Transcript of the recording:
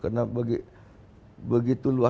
karena begitu luasnya tambak yang ada di kaltara